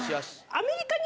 アメリカに。